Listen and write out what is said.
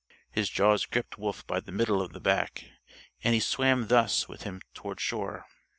His jaws gripped Wolf by the middle of the back, and he swam thus with him toward shore.